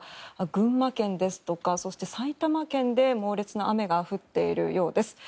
群馬県ですとか埼玉県で猛烈な雨が降っているようです。